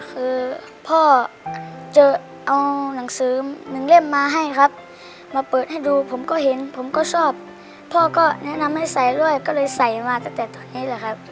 คือพ่อจะเอาหนังสือหนึ่งเล่มมาให้ครับมาเปิดให้ดูผมก็เห็นผมก็ชอบพ่อก็แนะนำให้ใส่ด้วยก็เลยใส่มาตั้งแต่ตอนนี้แหละครับ